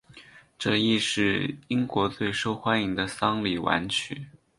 这亦是英国最受欢迎的丧礼挽曲。